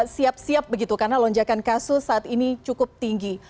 siap siap begitu karena lonjakan kasus saat ini cukup tinggi